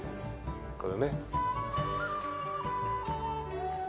これね。